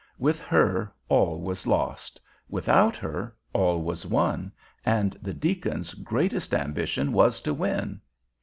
With her, all was lost; without her, all was won, and the deacon's greatest ambition was to win.